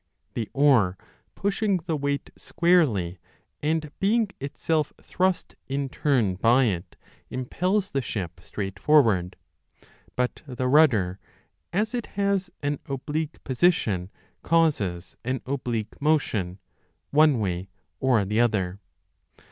The oar pushing the weight squarely, and being itself thrust in turn by it, impels the ship straight forward ; but the rudder, as it has an oblique position, causes an oblique motion one way or the other.